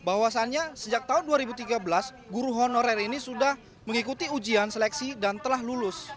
bahwasannya sejak tahun dua ribu tiga belas guru honorer ini sudah mengikuti ujian seleksi dan telah lulus